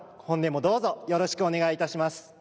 本年もどうぞよろしくお願いいたします。